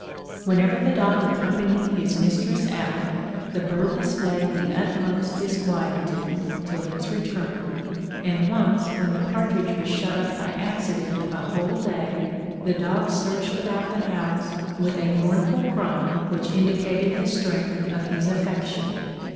Whenever the dog accompanied his mistress out, the bird displayed the utmost disquietude till his return; and once, when the partridge was shut up by accident a whole day, the dog searched about the house, with a mournful cry which indicated the strength of his affection.